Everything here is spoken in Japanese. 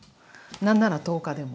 何なら１０日でも。